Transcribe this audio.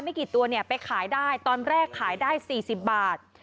กี่ตัวเนี่ยไปขายได้ตอนแรกขายได้๔๐บาท